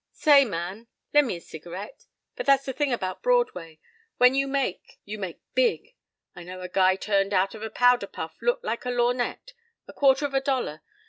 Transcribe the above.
Say, man, len' me a cigarette.—But that's the thing about Broadway. When you make, you make big. I know a guy turned out a powder puff looked like a lor'nette—a quarter of a dollar.